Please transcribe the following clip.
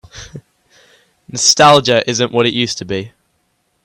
Nostalgia isn't what it used to be.